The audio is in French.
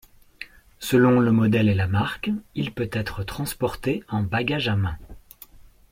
Selon le modèle et la marque, il peut être transporté en bagage à main.